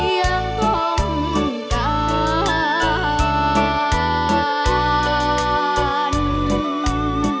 แต่วจากกลับมาท่าน้าที่รักอย่าช้านับสิสามเชย